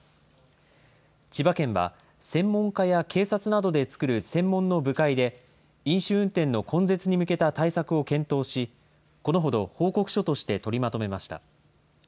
千葉県は、専門家や警察などで作る専門の部会で、飲酒運転の根絶に向けた対策を検討し、このほど報告書として取りまとめました。